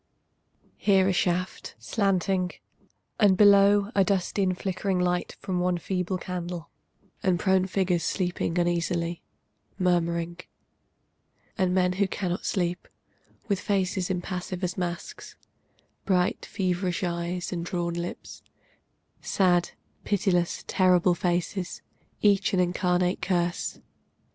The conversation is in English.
Here a shaft, slanting, and below A dusty and flickering light from one feeble candle And prone figures sleeping uneasily, Murmuring, And men who cannot sleep, With faces impassive as masks, Bright, feverish eyes, and drawn lips, Sad, pitiless, terrible faces, Each an incarnate curse.